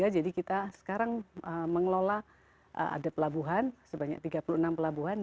jadi kita sekarang mengelola ada pelabuhan sebanyak tiga puluh enam pelabuhan